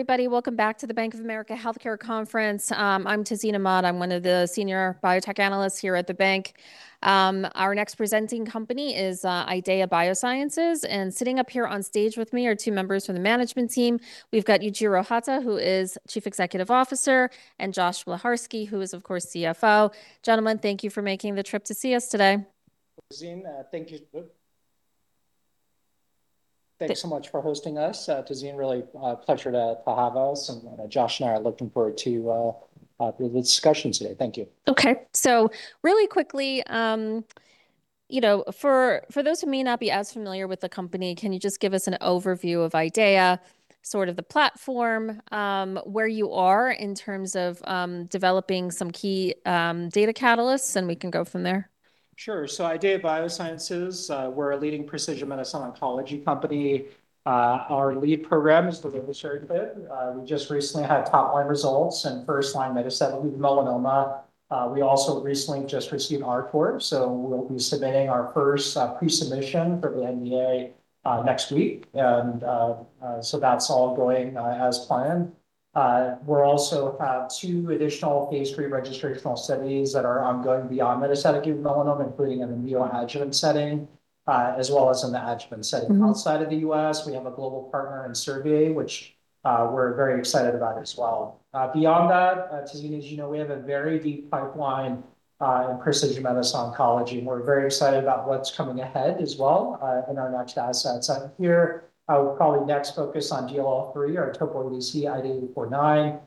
Everybody, welcome back to the Bank of America Global Healthcare Conference. I'm Tazeen Ahmad. I'm one of the Senior Biotech Analysts here at the bank. Our next presenting company is IDEAYA Biosciences and sitting up here on stage with me are two members from the management team. We've got Yujiro Hata, who is Chief Executive Officer, and Josh Bleharski, who is, of course, CFO. Gentlemen, thank you for making the trip to see us today. Tazeen, thank you. Thank you so much for hosting us. Tazeen, really a pleasure to have us, and Josh and I are looking forward to the discussion today. Thank you. Okay. really quickly, you know, for those who may not be as familiar with the company, can you just give us an overview of IDEAYA, sort of the platform, where you are in terms of developing some key data catalysts, and we can go from there? Sure. IDEAYA Biosciences, we're a leading precision medicine oncology company. Our lead program is darovasertib. We just recently had top-line results in first-line metastatic melanoma. We also recently just received RTOR, so we'll be submitting our first pre-submission for the NDA next week. That's all going as planned. We also have two additional phase III registrational studies that are ongoing beyond metastatic melanoma, including in the neoadjuvant setting, as well as in the adjuvant setting. Outside of the U.S. We have a global partner in Servier, which we're very excited about as well. Beyond that, Tazeen, as you know, we have a very deep pipeline in precision medicine oncology, and we're very excited about what's coming ahead as well in our next assets. Here, we're probably next focused on DLL3, our Topo-ADC IDE849.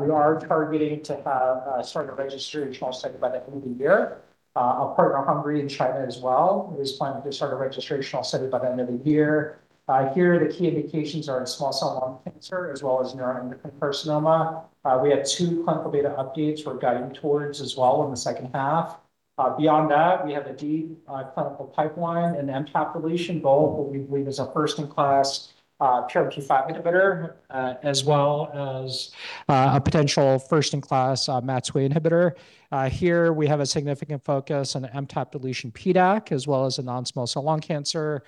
We are targeting to have sort of registrational study by the end of the year. Our partner, Hengrui, in China as well, who is planning to start a registrational study by the end of the year. Here the key indications are in small cell lung cancer as well as neuroendocrine carcinoma. We have two clinical data updates we're guiding towards as well in the second half. Beyond that, we have a deep clinical pipeline in MTAP deletion, both what we believe is our first-in-class PRMT5 inhibitor, as well as a potential first-in-class MAT2A inhibitor. Here we have a significant focus on MTAP deletion PDAC as well as non-small cell lung cancer.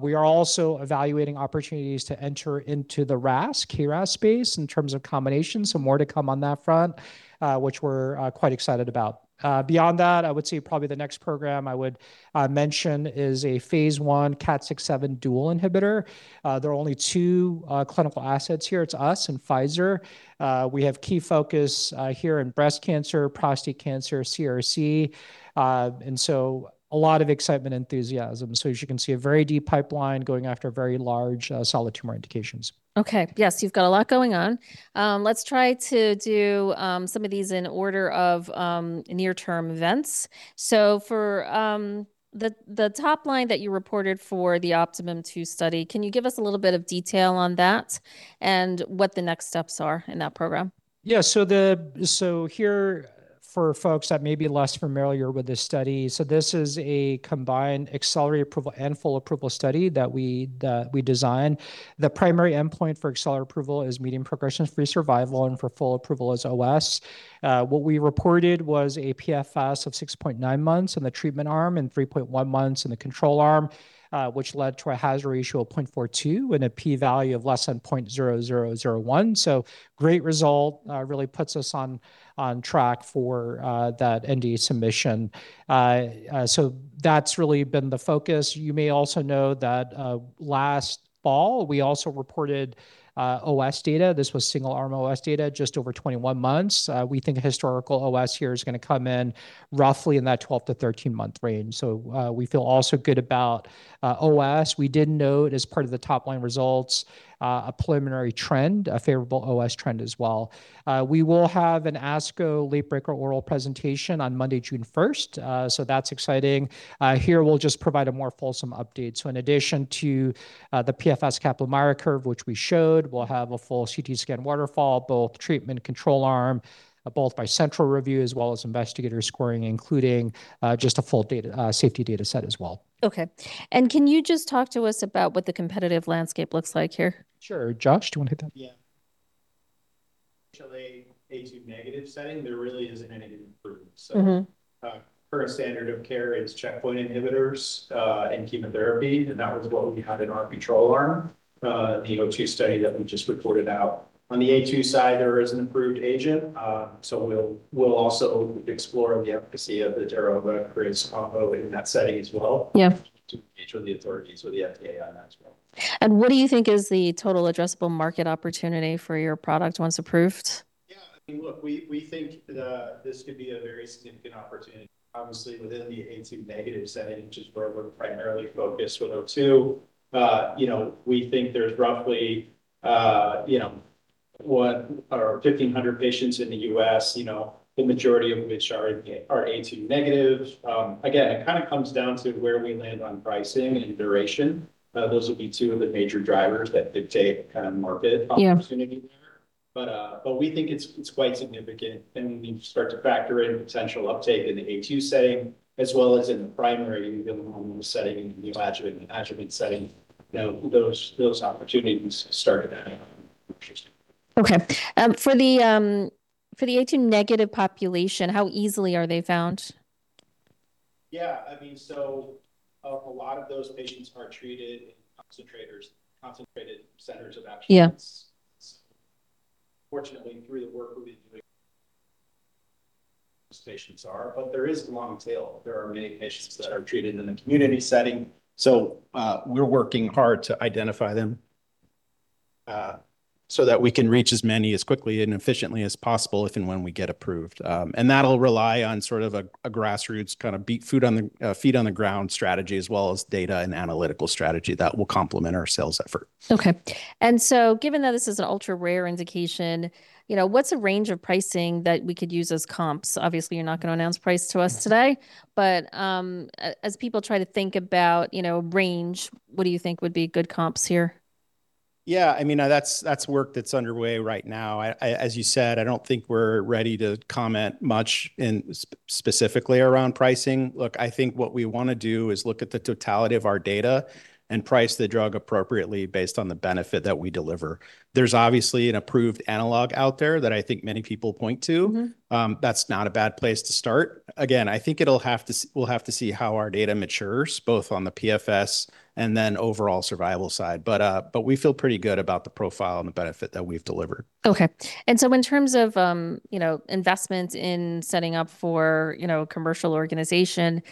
We are also evaluating opportunities to enter into the RAS, KRAS space in terms of combination, so more to come on that front, which we're quite excited about. Beyond that, I would say probably the next program I would mention is a phase I KAT6/7 dual inhibitor. There are only two clinical assets here. It's us and Pfizer. We have key focus here in breast cancer, prostate cancer, CRC, a lot of excitement, enthusiasm. As you can see, a very deep pipeline going after very large solid tumor indications. Okay. Yes, you've got a lot going on. Let's try to do some of these in order of near-term events. For the top line that you reported for the OptimUM-02 study, can you give us a little bit of detail on that and what the next steps are in that program? Yeah. So here for folks that may be less familiar with this study, this is a combined accelerated approval and full approval study that we designed. The primary endpoint for accelerated approval is median progression-free survival, and for full approval is OS. What we reported was a PFS of 6.9 months in the treatment arm and 3.1 months in the control arm, which led to a hazard ratio of 0.42 and a P value of less than 0.0001. Great result, really puts us on track for that NDA submission. That's really been the focus. You may also know that last fall we also reported OS data. This was single-arm OS data, just over 21 months. We think historical OS here is gonna come in roughly in that 12-13 month range. We feel also good about OS. We did note as part of the top-line results, a preliminary trend, a favorable OS trend as well. We will have an ASCO late breaker oral presentation on Monday, June 1st. That's exciting. Here we'll just provide a more fulsome update. In addition to the PFS Kaplan-Meier curve which we showed, we'll have a full CT scan waterfall, both treatment control arm, both by central review as well as investigator scoring, including just a full data, safety data set as well. Okay. Can you just talk to us about what the competitive landscape looks like here? Sure. Josh, do you want to hit that? Yeah. Actually, HLA-A2 negative setting, there really isn't anything approved. Current standard of care is checkpoint inhibitors and chemotherapy, and that was what we had in our control arm, the O2 study that we just reported out. On the HLA-A2 side, there is an approved agent, we'll also explore the efficacy of the darovasertib-crizotinib combo in that setting as well. Yeah. To engage with the authorities, with the FDA on that as well. What do you think is the total addressable market opportunity for your product once approved? Yeah, I mean, look, we think that this could be a very significant opportunity. Obviously, within the HLA-A2 negative setting, which is where we're primarily focused with O2, you know, we think there's roughly, you know, what are 1,500 patients in the U.S., you know, the majority of which are HLA-A2 negative. Again, it kind of comes down to where we land on pricing and duration. Those would be two of the major drivers that dictate kind of market opportunity there. Yeah. We think it's quite significant. When you start to factor in potential uptake in the HLA-A2 setting as well as in the primary melanoma setting, in the adjuvant setting, you know, those opportunities start adding up. Okay. For the HLA-A2 negative population, how easily are they found? Yeah. I mean, a lot of those patients are treated in concentrators, concentrated centers of excellence. Yeah. Fortunately, through the work we've been doing, most patients are. There is a long tail. There are many patients that are treated in a community setting. We're working hard to identify them, so that we can reach as many as quickly and efficiently as possible if and when we get approved. That'll rely on sort of a grassroots, kind of feet on the ground strategy, as well as data and analytical strategy that will complement our sales effort. Okay. Given that this is an ultra-rare indication, you know, what's a range of pricing that we could use as comps? Obviously, you're not gonna announce price to us today. Yes. As people try to think about, you know, range, what do you think would be good comps here? Yeah, I mean, that's work that's underway right now. I as you said, I don't think we're ready to comment much specifically around pricing. Look, I think what we wanna do is look at the totality of our data and price the drug appropriately based on the benefit that we deliver. There's obviously an approved analog out there that I think many people point to. That's not a bad place to start. Again, I think it'll have to we'll have to see how our data matures, both on the PFS and then overall survival side. We feel pretty good about the profile and the benefit that we've delivered. Okay. In terms of, you know, investment in setting up for, you know, commercial organization,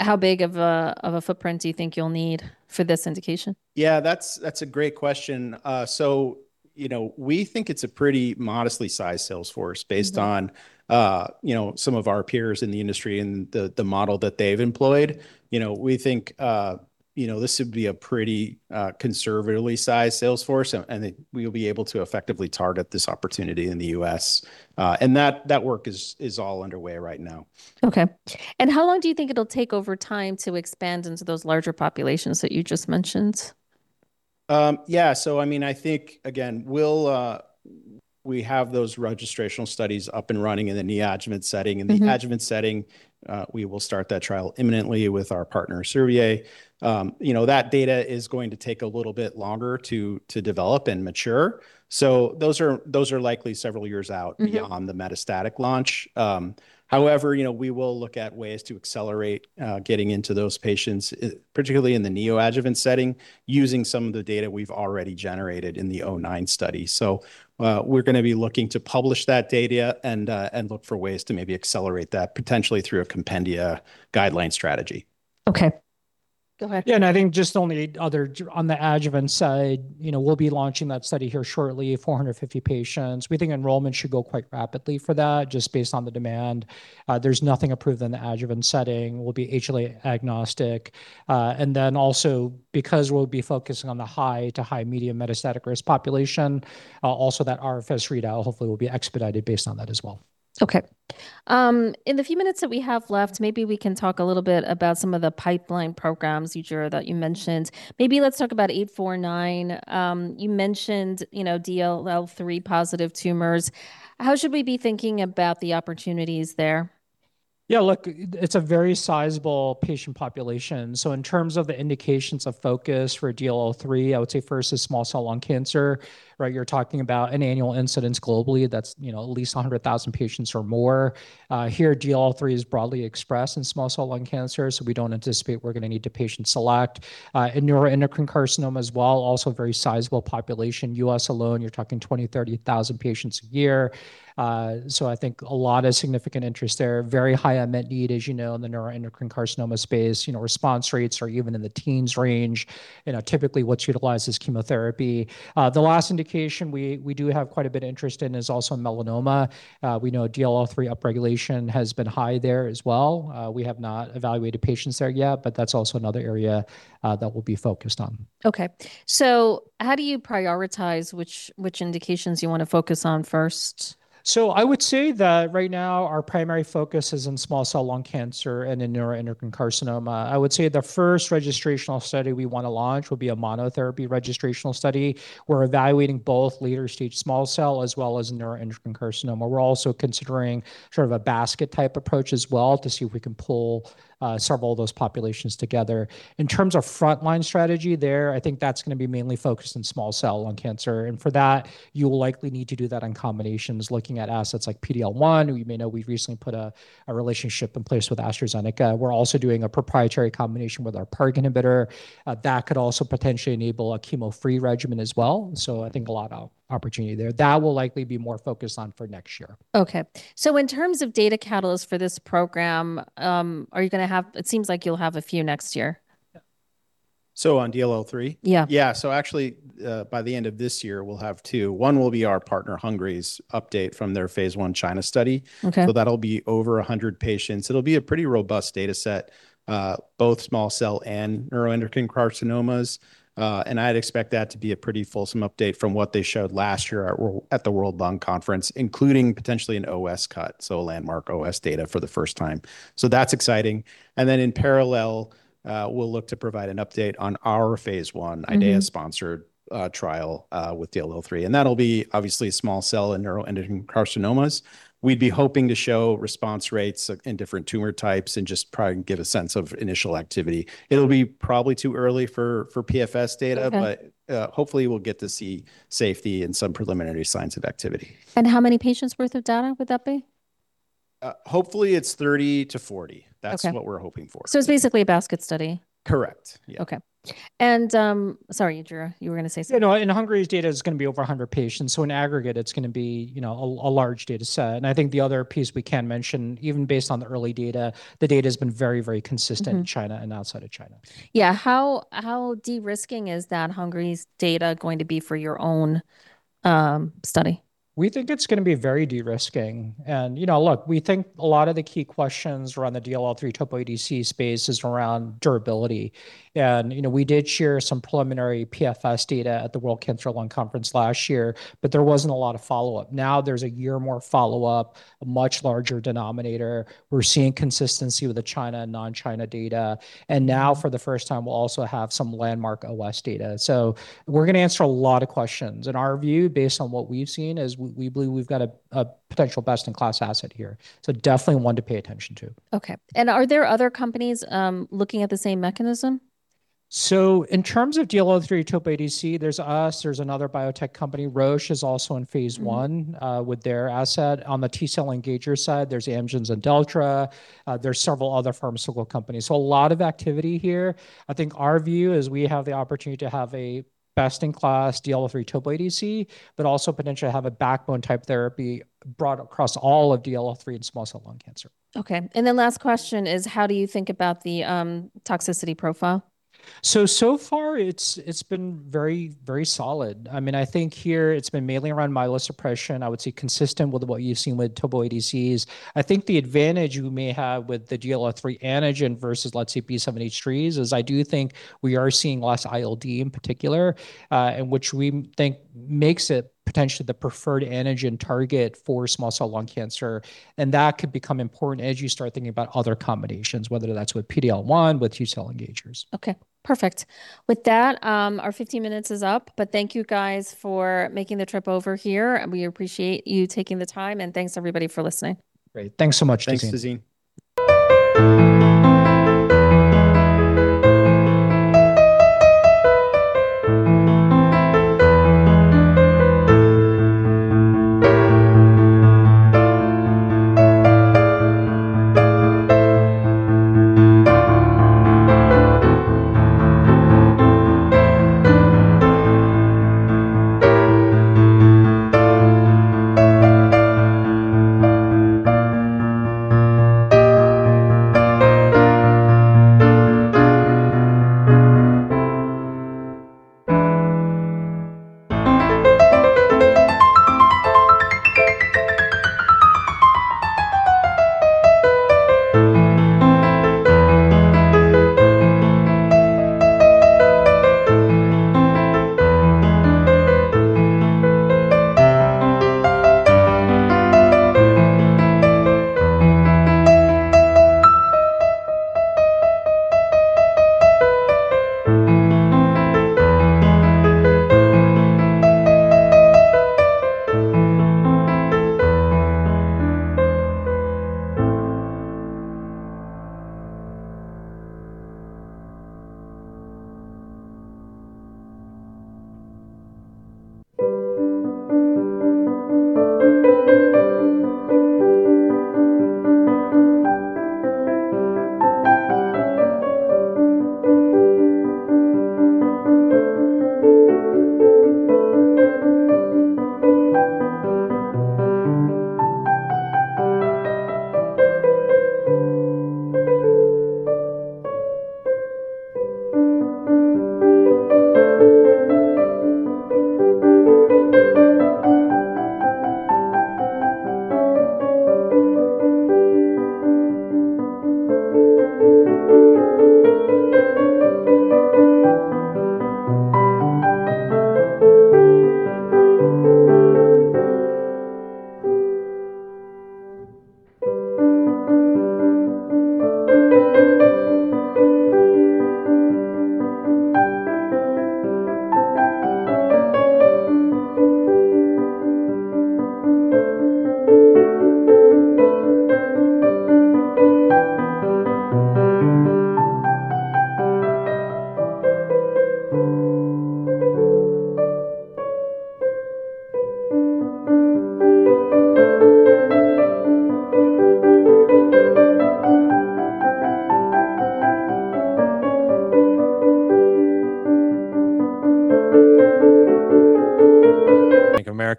how big of a footprint do you think you'll need for this indication? Yeah, that's a great question. you know, we think it's a pretty modestly sized sales force. You know, some of our peers in the industry and the model that they've employed. You know, we think, you know, this would be a pretty, conservatively sized sales force, and it will be able to effectively target this opportunity in the U.S. That work is all underway right now. Okay. How long do you think it'll take over time to expand into those larger populations that you just mentioned? Yeah, I mean, I think, again, we'll, we have those registrational studies up and running in the neoadjuvant setting. In the adjuvant setting, we will start that trial imminently with our partner, Servier. You know, that data is going to take a little bit longer to develop and mature, so those are likely several years out. Beyond the metastatic launch. However, you know, we will look at ways to accelerate getting into those patients, particularly in the neoadjuvant setting, using some of the data we've already generated in the 09 study. We're gonna be looking to publish that data and look for ways to maybe accelerate that, potentially through a compendia guideline strategy. Okay. Go ahead. I think just on the other, on the adjuvant side, you know, we'll be launching that study here shortly, 450 patients. We think enrollment should go quite rapidly for that just based on the demand. There's nothing approved in the adjuvant setting. We'll be HLA agnostic. Then also because we'll be focusing on the high to high/medium metastatic risk population, also that RFS readout hopefully will be expedited based on that as well. Okay. In the few minutes that we have left, maybe we can talk a little bit about some of the pipeline programs, Yujiro, that you mentioned. Maybe let's talk about IDE849. You mentioned, you know, DLL3-positive tumors. How should we be thinking about the opportunities there? Yeah, look, it's a very sizable patient population. In terms of the indications of focus for DLL3, I would say first is small cell lung cancer, right? You're talking about an annual incidence globally that's, you know, at least 100,000 patients or more. Here, DLL3 is broadly expressed in small cell lung cancer, we don't anticipate we're gonna need to patient select. In neuroendocrine carcinoma as well, also a very sizable population. U.S. alone, you're talking 20,000, 30,000 patients a year. I think a lot of significant interest there. Very high unmet need, as you know, in the neuroendocrine carcinoma space. You know, response rates are even in the teens range. You know, typically what's utilized is chemotherapy. The last indication we do have quite a bit of interest in is also melanoma. We know DLL3 upregulation has been high there as well. We have not evaluated patients there yet, but that's also another area that we'll be focused on. Okay. How do you prioritize which indications you wanna focus on first? I would say that right now our primary focus is in small cell lung cancer and in neuroendocrine carcinoma. I would say the first registrational study we wanna launch will be a monotherapy registrational study. We're evaluating both later-stage small cell as well as neuroendocrine carcinoma. We're also considering sort of a basket type approach as well to see if we can pull several of those populations together. In terms of frontline strategy there, I think that's gonna be mainly focused in small cell lung cancer, and for that, you will likely need to do that in combinations, looking at assets like PD-L1. You may know we've recently put a relationship in place with AstraZeneca. We're also doing a proprietary combination with our PARP inhibitor. That could also potentially enable a chemo-free regimen as well, so I think a lot of opportunity there. That will likely be more focused on for next year. Okay. In terms of data catalyst for this program, it seems like you'll have a few next year. Yeah. on DLL3? Yeah. Actually, by the end of this year, we'll have two. One will be our partner Hengrui's update from their phase I China study. Okay. That'll be over 100 patients. It'll be a pretty robust data set, both small cell and neuroendocrine carcinomas. I'd expect that to be a pretty fulsome update from what they showed last year at the World Conference on Lung Cancer, including potentially an OS cut, so landmark OS data for the first time. That's exciting. Then in parallel, we'll look to provide an update on our phase I. IDEAYA-sponsored trial, with DLL3, and that’ll be obviously small cell and neuroendocrine carcinomas. We’d be hoping to show response rates in different tumor types and just probably get a sense of initial activity. It’ll be probably too early for PFS data. Okay Hopefully we'll get to see safety and some preliminary signs of activity. How many patients worth of data would that be? Hopefully it's 30 to 40. Okay. That's what we're hoping for. It's basically a basket study. Correct. Yeah. Okay. Sorry, Yujiro, you were gonna say something. Yeah, no, in Hengrui's data it's gonna be over 100 patients, so in aggregate it's gonna be, you know, a large data set. I think the other piece we can mention, even based on the early data, the data's been very consistent. In China and outside of China. Yeah. How de-risking is that Hengrui's data going to be for your own study? We think it's gonna be very de-risking. You know, look, we think a lot of the key questions around the DLL3/Topoisomerase space is around durability. You know, we did share some preliminary PFS data at the World Conference on Lung Cancer last year, but there wasn't a lot of follow-up. Now there's a year more follow-up, a much larger denominator. We're seeing consistency with the China and non-China data. Now, for the first time, we'll also have some landmark OS data. We're gonna answer a lot of questions. In our view, based on what we've seen, is we believe we've got a potential best-in-class asset here. Definitely one to pay attention to. Okay. Are there other companies looking at the same mechanism? In terms of DLL3/Topoisomerase, there's us, there's another biotech company. Roche is also in phase I. With their asset. On the T-cell engager side, there's Amgen's and Imdelltra. There're several other pharmaceutical companies. A lot of activity here. I think our view is we have the opportunity to have a best-in-class DLL3/Topoisomerase, but also potentially have a backbone type therapy brought across all of DLL3 in small cell lung cancer. Okay. Last question is how do you think about the toxicity profile? So far it's been very, very solid. I mean, I think here it's been mainly around myelosuppression. I would say consistent with what you've seen with Topoisomerase. I think the advantage we may have with the DLL3 antigen versus, let's say, B7-H3s, is I do think we are seeing less ILD in particular, and which we think makes it potentially the preferred antigen target for small cell lung cancer. That could become important as you start thinking about other combinations, whether that's with PD-L1, with T-cell engagers. Okay. Perfect. With that, our 15 minutes is up. Thank you guys for making the trip over here. We appreciate you taking the time. Thanks everybody for listening. Great. Thanks so much,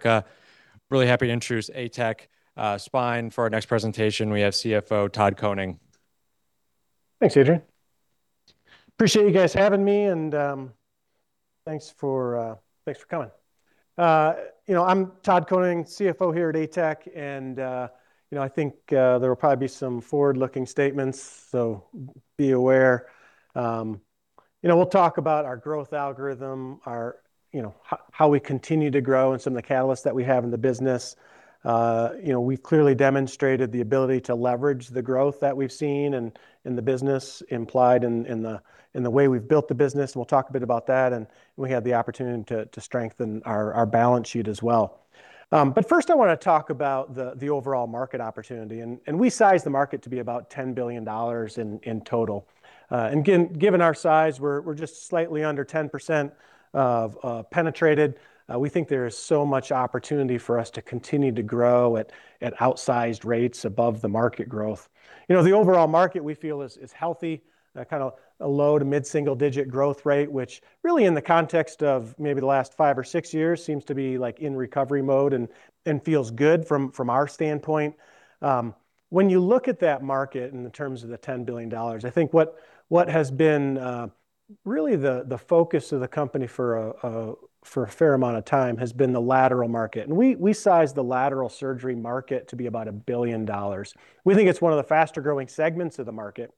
Tazeen. Thanks, Tazeen. Bank of America. Really happy to introduce ATEC Spine for our next presentation. We have CFO, Todd Koning. Thanks, Adrian. Appreciate you guys having me, and thanks for coming. You know, I'm Todd Koning, CFO here at ATEC, and, you know, I think there will probably be some forward-looking statements, so be aware. You know, we'll talk about our growth algorithm, our, you know, how we continue to grow and some of the catalysts that we have in the business. You know, we've clearly demonstrated the ability to leverage the growth that we've seen and, in the business implied in the way we've built the business, and we'll talk a bit about that, and we had the opportunity to strengthen our balance sheet as well. First, I wanna talk about the overall market opportunity. We size the market to be about $10 billion in total. Again, given our size, we're just slightly under 10% of penetrated. We think there is so much opportunity for us to continue to grow at outsized rates above the market growth. You know, the overall market, we feel is healthy, kinda a low-to-mid-single-digit growth rate, which really in the context of maybe the last 5 or 6 years seems to be, like, in recovery mode and feels good from our standpoint. When you look at that market in terms of the $10 billion, I think what has been really the focus of the company for a fair amount of time has been the lateral market, we size the lateral surgery market to be about $1 billion. We think it's one of the faster-growing segments of the market.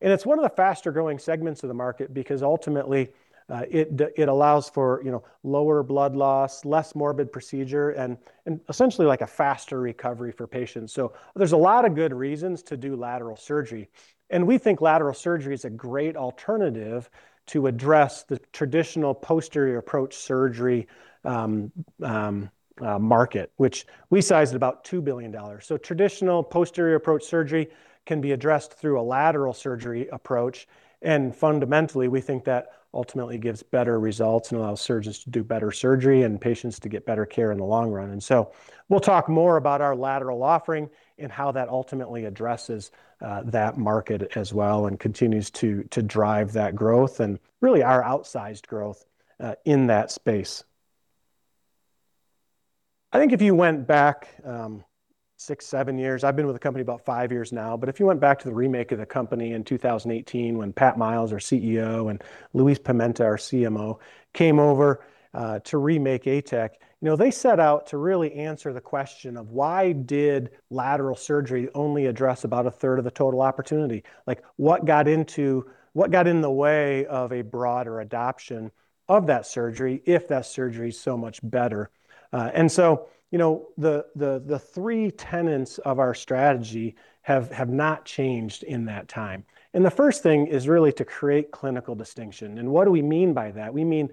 It's one of the faster-growing segments of the market because ultimately, it allows for, you know, lower blood loss, less morbid procedure, and essentially like a faster recovery for patients. There's a lot of good reasons to do lateral surgery, and we think lateral surgery is a great alternative to address the traditional posterior approach surgery market, which we size at about $2 billion. Traditional posterior approach surgery can be addressed through a lateral surgery approach, fundamentally, we think that ultimately gives better results and allows surgeons to do better surgery and patients to get better care in the long run. We'll talk more about our lateral offering and how that ultimately addresses that market as well and continues to drive that growth and really our outsized growth in that space. I think if you went back, six, seven years, I've been with the company about five years now, but if you went back to the remake of the company in 2018 when Pat Miles, our CEO, and Luiz Pimenta, our CMO, came over, to remake ATEC, you know, they set out to really answer the question of: Why did lateral surgery only address about a third of the total opportunity? Like, what got in the way of a broader adoption of that surgery if that surgery is so much better? You know, the, the three tenets of our strategy have not changed in that time. The first thing is really to create clinical distinction. What do we mean by that? We mean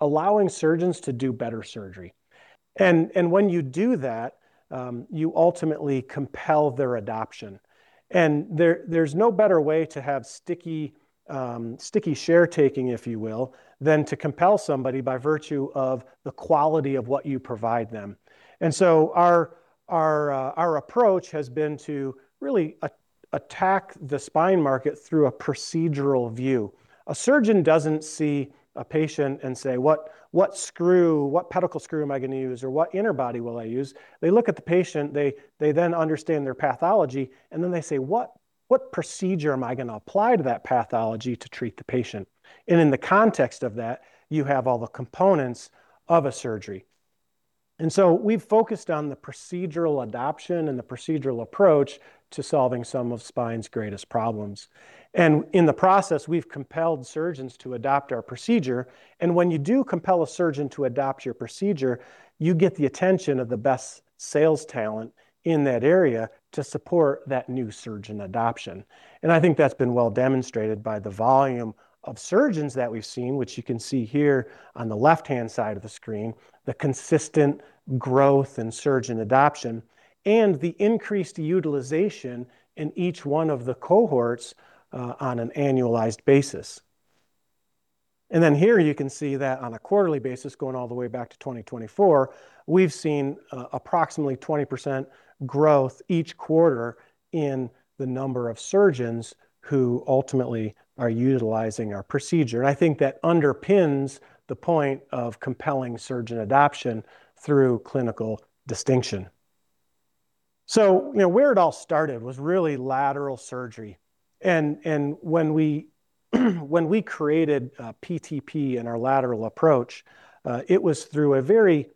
allowing surgeons to do better surgery. When you do that, you ultimately compel their adoption. There's no better way to have sticky share taking, if you will, than to compel somebody by virtue of the quality of what you provide them. Our approach has been to really attack the spine market through a procedural view. A surgeon doesn't see a patient and say, "What screw, what pedicle screw am I gonna use? Or what interbody will I use?" They look at the patient, they then understand their pathology, and then they say, "What procedure am I gonna apply to that pathology to treat the patient?" In the context of that, you have all the components of a surgery. We've focused on the procedural adoption and the procedural approach to solving some of spine's greatest problems. In the process, we've compelled surgeons to adopt our procedure. When you do compel a surgeon to adopt your procedure, you get the attention of the best sales talent in that area to support that new surgeon adoption. I think that's been well demonstrated by the volume of surgeons that we've seen, which you can see here on the left-hand side of the screen, the consistent growth in surgeon adoption and the increased utilization in each one of the cohorts on an annualized basis. Here you can see that on a quarterly basis, going all the way back to 2024, we've seen approximately 20% growth each quarter in the number of surgeons who ultimately are utilizing our procedure. I think that underpins the point of compelling surgeon adoption through clinical distinction. You know, where it all started was really lateral surgery. When we created PTP and our lateral approach, it was through a very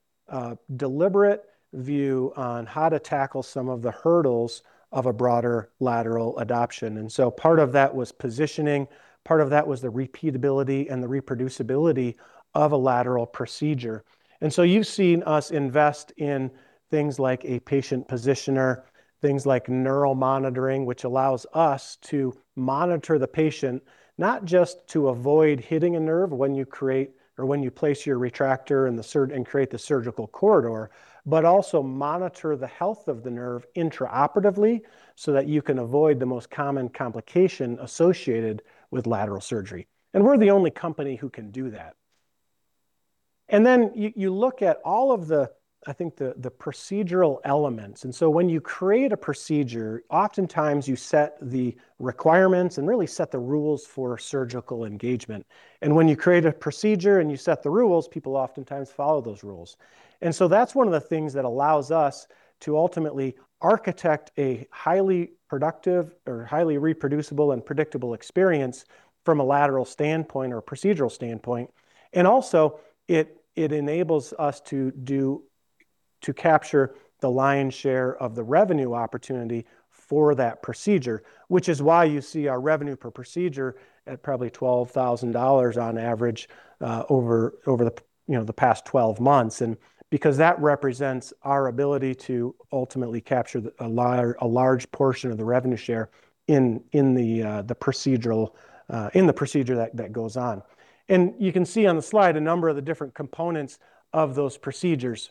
deliberate view on how to tackle some of the hurdles of a broader lateral adoption. Part of that was positioning, part of that was the repeatability and the reproducibility of a lateral procedure. You've seen us invest in things like a patient positioner, things like neural monitoring, which allows us to monitor the patient, not just to avoid hitting a nerve when you create or when you place your retractor in and create the surgical corridor, but also monitor the health of the nerve intraoperatively so that you can avoid the most common complication associated with lateral surgery. We're the only company who can do that. You look at all of the procedural elements. When you create a procedure, oftentimes you set the requirements and really set the rules for surgical engagement. When you create a procedure and you set the rules, people oftentimes follow those rules. That's one of the things that allows us to ultimately architect a highly productive or highly reproducible and predictable experience from a lateral standpoint or a procedural standpoint. Also, it enables us to capture the lion's share of the revenue opportunity for that procedure, which is why you see our revenue per procedure at probably $12,000 on average over the past 12 months. Because that represents our ability to ultimately capture a large portion of the revenue share in the procedure that goes on. You can see on the slide a number of the different components of those procedures.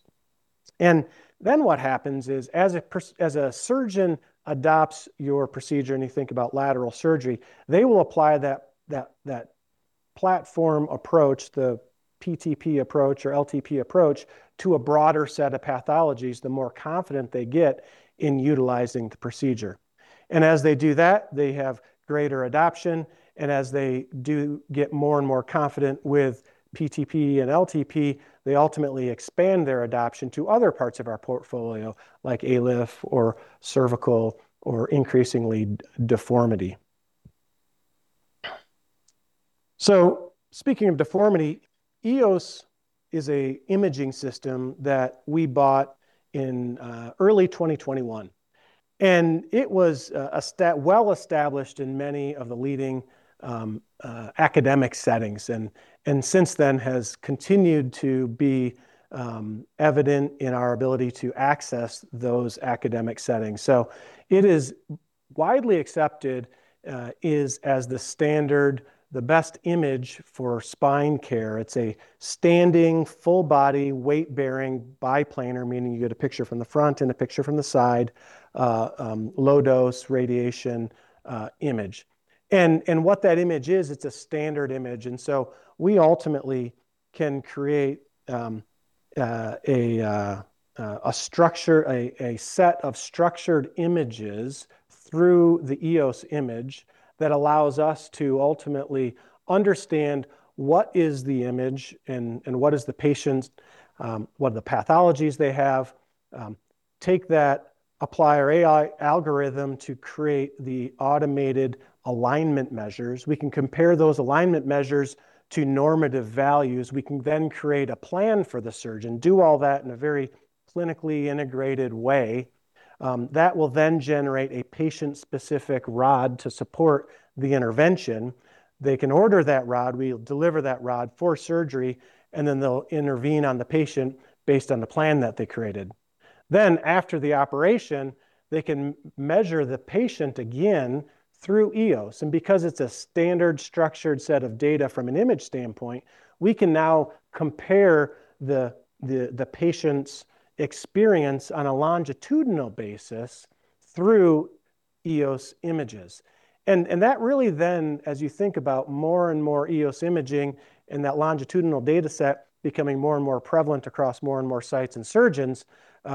What happens is, as a surgeon adopts your procedure and you think about lateral surgery, they will apply that platform approach, the PTP approach or LTP approach, to a broader set of pathologies, the more confident they get in utilizing the procedure. As they do that, they have greater adoption, and as they do get more and more confident with PTP and LTP, they ultimately expand their adoption to other parts of our portfolio, like ALIF or cervical or increasingly deformity. Speaking of deformity, EOS is an imaging system that we bought in early 2021. It was well established in many of the leading academic settings and since then has continued to be evident in our ability to access those academic settings. It is widely accepted, is as the standard, the best image for spine care. It's a standing full body weight-bearing biplanar, meaning you get a picture from the front and a picture from the side, low-dose radiation image. What that image is, it's a standard image. We ultimately can create a structure, a set of structured images through the EOS image that allows us to ultimately understand what is the image and what is the patient's, what are the pathologies they have, take that, apply our AI algorithm to create the automated alignment measures. We can compare those alignment measures to normative values. We can then create a plan for the surgeon, do all that in a very clinically integrated way that will then generate a patient-specific rod to support the intervention. They can order that rod, we'll deliver that rod for surgery, and then they'll intervene on the patient based on the plan that they created. After the operation, they can measure the patient again through EOS. Because it's a standard structured set of data from an image standpoint, we can now compare the patient's experience on a longitudinal basis through EOS images. That really then, as you think about more and more EOS imaging and that longitudinal dataset becoming more and more prevalent across more and more sites and surgeons,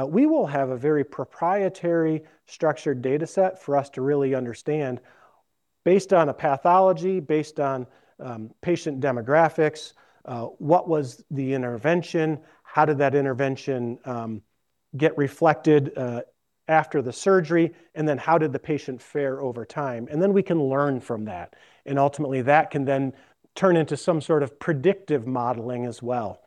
we will have a very proprietary structured dataset for us to really understand based on a pathology, based on patient demographics, what was the intervention, how did that intervention get reflected after the surgery, and then how did the patient fare over time. Ultimately, that can then turn into some sort of predictive modeling as well.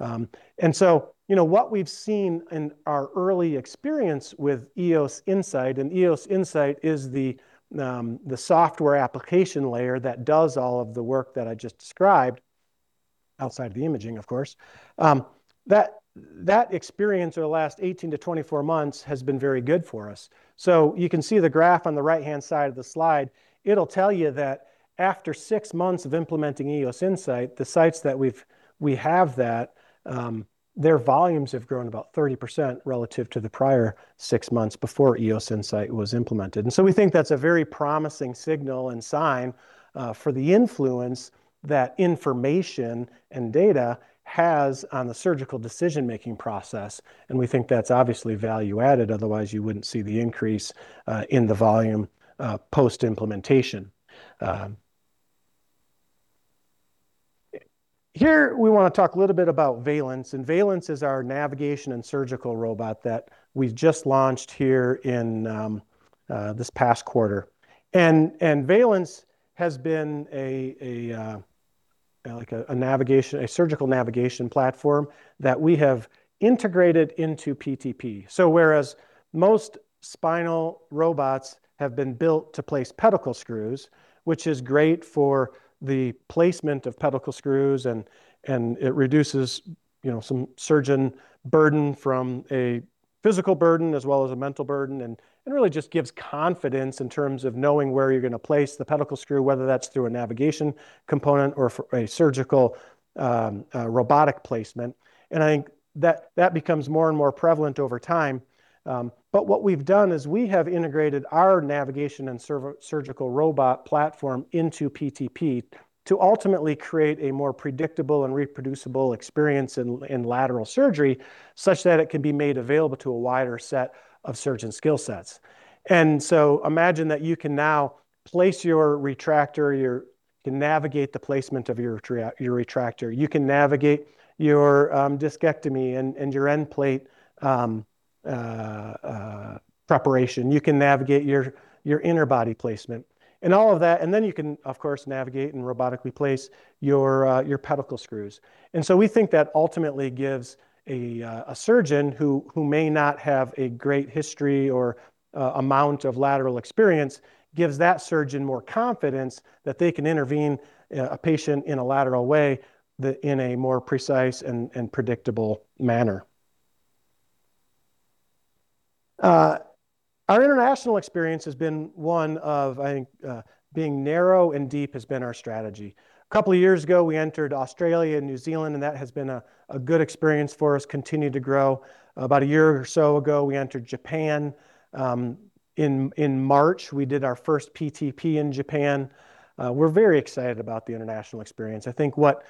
You know, what we've seen in our early experience with EOS Insight, and EOS Insight is the software application layer that does all of the work that I just described, outside of the imaging, of course, that experience over the last 18-24 months has been very good for us. You can see the graph on the right-hand side of the slide. It'll tell you that after 6 months of implementing EOS Insight, the sites that we have that, their volumes have grown about 30% relative to the prior 6 months before EOS Insight was implemented. We think that's a very promising signal and sign for the influence that information and data has on the surgical decision-making process, and we think that's obviously value-added. Otherwise, you wouldn't see the increase in the volume post-implementation. Here we wanna talk a little bit about Valence. Valence is our navigation and surgical robot that we've just launched here in this past quarter. Valence has been a surgical navigation platform that we have integrated into PTP. Whereas most spinal robots have been built to place pedicle screws, which is great for the placement of pedicle screws and it reduces, you know, some surgeon burden from a physical burden as well as a mental burden and really just gives confidence in terms of knowing where you're gonna place the pedicle screw, whether that's through a navigation component or for a surgical robotic placement. I think that becomes more and more prevalent over time. What we've done is we have integrated our navigation and surgical robot platform into PTP to ultimately create a more predictable and reproducible experience in lateral surgery such that it can be made available to a wider set of surgeon skill sets. Imagine that you can now place your retractor, can navigate the placement of your retractor. You can navigate your discectomy and your end plate preparation. You can navigate your inner body placement and all of that. You can, of course, navigate and robotically place your pedicle screws. We think that ultimately gives a surgeon who may not have a great history or amount of lateral experience, gives that surgeon more confidence that they can intervene a patient in a lateral way in a more precise and predictable manner. Our international experience has been one of being narrow and deep has been our strategy. A couple of years ago, we entered Australia and New Zealand, and that has been a good experience for us, continued to grow. About a year or so ago, we entered Japan. In March, we did our first PTP in Japan. We're very excited about the international experience. I think what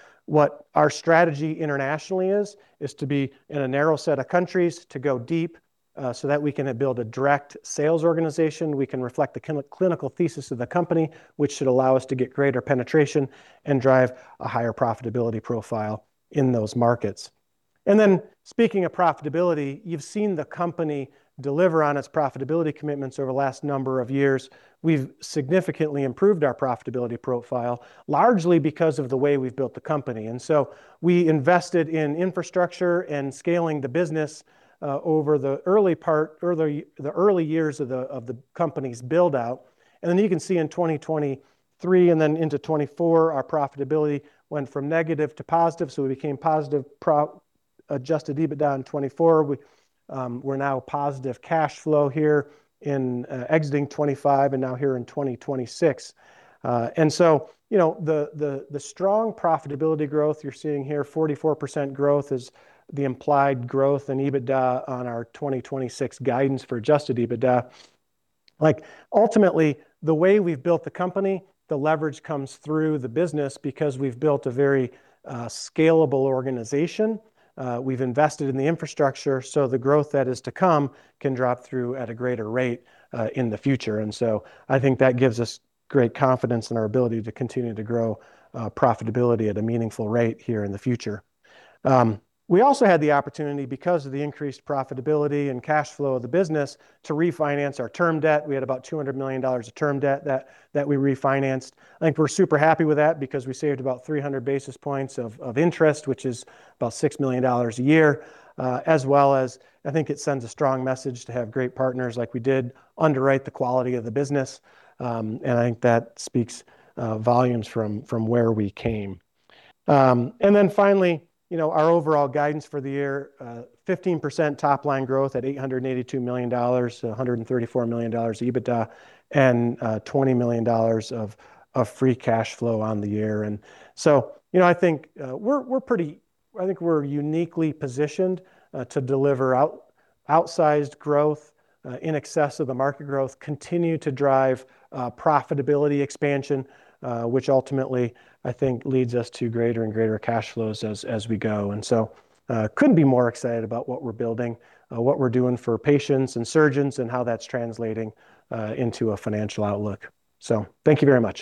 our strategy internationally is to be in a narrow set of countries to go deep so that we can build a direct sales organization. We can reflect the clinical thesis of the company, which should allow us to get greater penetration and drive a higher profitability profile in those markets. Speaking of profitability, you've seen the company deliver on its profitability commitments over the last number of years. We've significantly improved our profitability profile, largely because of the way we've built the company. We invested in infrastructure and scaling the business over the early years of the company's build-out. You can see in 2023 and then into 2024, our profitability went from negative to positive, so we became positive adjusted EBITDA in 2024. We're now positive cash flow here in exiting 2025 and now here in 2026. You know, the strong profitability growth you're seeing here, 44% growth is the implied growth in EBITDA on our 2026 guidance for adjusted EBITDA. Like, ultimately, the way we've built the company, the leverage comes through the business because we've built a very scalable organization. We've invested in the infrastructure, so the growth that is to come can drop through at a greater rate in the future. I think that gives us great confidence in our ability to continue to grow profitability at a meaningful rate here in the future. We also had the opportunity, because of the increased profitability and cash flow of the business, to refinance our term debt. We had about $200 million of term debt that we refinanced. I think we're super happy with that because we saved about 300 basis points of interest, which is about $6 million a year, as well as I think it sends a strong message to have great partners like we did, underwrite the quality of the business. I think that speaks volumes from where we came. Finally, you know, our overall guidance for the year, 15% top-line growth at $882 million, $134 million EBITDA and $20 million of free cash flow on the year. You know, I think we're uniquely positioned to deliver outsized growth in excess of the market growth, continue to drive profitability expansion, which ultimately I think leads us to greater and greater cash flows as we go. Couldn't be more excited about what we're building, what we're doing for patients and surgeons and how that's translating into a financial outlook. Thank you very much.